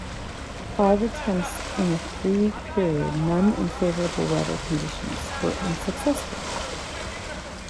Five attempts in a three-week period, none in favorable weather conditions, were unsuccessful.